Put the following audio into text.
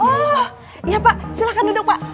wah iya pak silahkan duduk pak